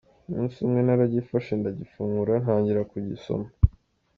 Umunsi umwe naragifashe ndagifungura ntangira kugisoma.